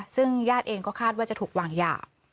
ซึ่งญาติเองก็คาดว่าจะถูกวางยา